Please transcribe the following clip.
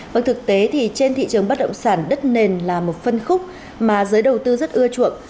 vâng thực tế thì trên thị trường bất động sản đất nền là một phân khúc mà giới đầu tư rất ưa chuộng